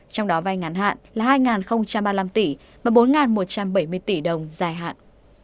trong đó vay ngắn hạn là hai ba mươi năm tỷ và bốn một trăm bảy mươi tỷ đồng dài hạn